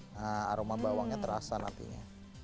nah aroma bawangnya terasa nantinya